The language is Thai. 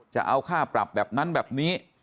จะเอาค่าปรับแบบนั้นแบบนี้